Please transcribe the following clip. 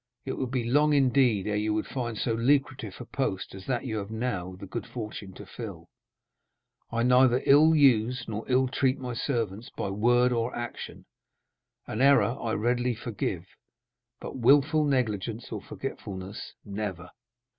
It would be long indeed ere you would find so lucrative a post as that you have now the good fortune to fill. I neither ill use nor ill treat my servants by word or action. An error I readily forgive, but wilful negligence or forgetfulness, never.